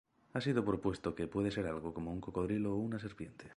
Ha sido propuesto que puede ser algo como un cocodrilo o una serpiente.